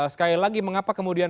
sekali lagi mengapa kemudian